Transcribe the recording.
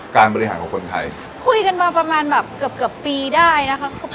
การบริหารของคนไทยคุยกันมาประมาณแบบเกือบเกือบปีได้นะคะ